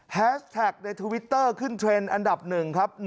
แฮชแท็กในทวิตเตอร์ขึ้นเทรนด์อันดับ๑ครับ